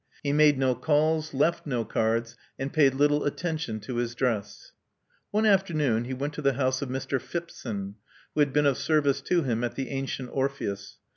He made no calls, left no cards, and paid little attt^*: a to his dress. One afternoon he went to the house of Mr. Phipson, who had been of service to him at the Antient. Orpheus.